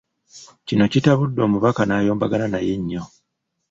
Kino kitabudde Omubaka n'ayombagana naye nyo.